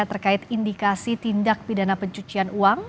terkait indikasi tindak pidana pencucian uang